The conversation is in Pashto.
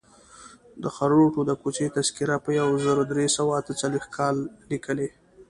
د خروټو د کوڅې تذکره په یو زر درې سوه اته څلویښت کال لیکلې.